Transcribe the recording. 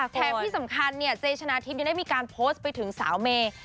แถมที่สำคัญเนี่ยเจชนะทิพย์ยังได้มีการโพสต์ไปถึงสาวเมย์